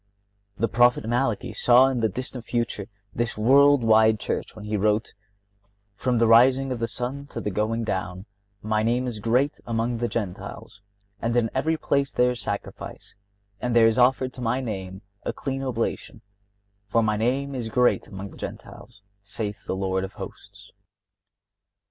(56) The Prophet Malachy saw in the distant future this world wide Church, when he wrote: "From the rising of the sun, to the going down, My name is great among the Gentiles; and in every place there is sacrifice, and there is offered to My name a clean oblation; for My name is great among the Gentiles, saith the Lord of Hosts."